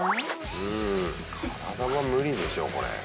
うん体は無理でしょこれ。